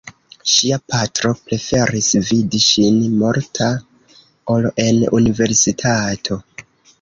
Ŝia patro preferis vidi ŝin morta ol en Universitato.